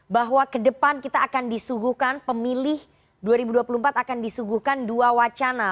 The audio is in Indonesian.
bahwa ke depan kita akan disuguhkan pemilih dua ribu dua puluh empat akan disuguhkan dua wacana